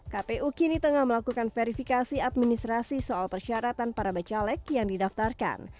kpu kini tengah melakukan verifikasi administrasi soal persyaratan para becaleg yang didaftarkan